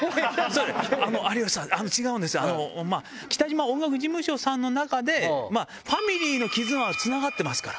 有吉さん、違うんです、北島音楽事務所さんの中で、ファミリーの絆はつながってますから。